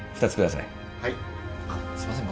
あっすいません